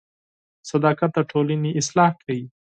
• صداقت د ټولنې اصلاح کوي.